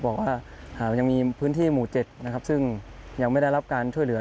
บอกว่ายังมีพื้นที่หมู่๗นะครับซึ่งยังไม่ได้รับการช่วยเหลือ